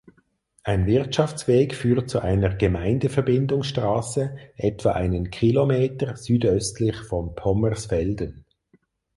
Ein Wirtschaftsweg führt zu einer Gemeindeverbindungsstraße etwa einen Kilometer südöstlich von Pommersfelden.